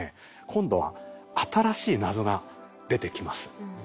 今度は新しい謎が出てきます。